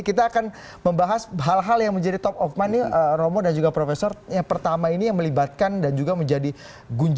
kita akan membahas hal hal yang menjadi top of mind nih romo dan juga profesor yang pertama ini yang melibatkan dan juga menjadi